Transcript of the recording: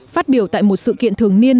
phát biểu tại một sự kiện thường niên